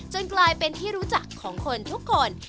กลายเป็นที่รู้จักของคนทุกคน